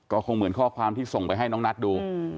ก็คงเหมือนข้อความที่ส่งไปให้น้องนัทดู